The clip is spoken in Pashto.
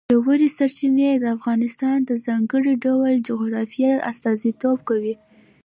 ژورې سرچینې د افغانستان د ځانګړي ډول جغرافیه استازیتوب کوي.